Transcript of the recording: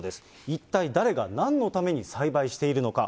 一体誰が、なんのために栽培しているのか。